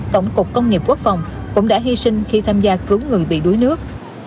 tổng cục công nghiệp quốc phòng cũng đã hy sinh khi tham gia cứu người bị đuối nước